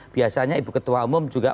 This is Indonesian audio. biasanya ibu ketua umum juga